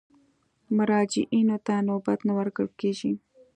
مراجعینو ته نوبت نه ورکول کېږي.